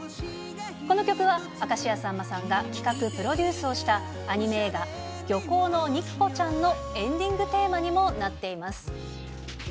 この曲は明石家さんまさんが企画、プロデュースをした、アニメ映画、漁港の肉子ちゃんのエンディングテーマにもなっています。